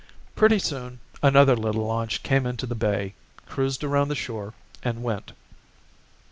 "Pretty soon another little launch came into the bay, cruised around the shore, and went.